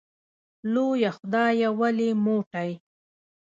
لویه خدایه ولې موټی